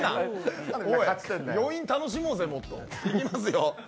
余韻楽しもうぜ、もっと。